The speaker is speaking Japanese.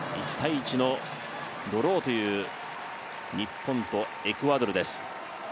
１−１のドローという日本とエクアドルです。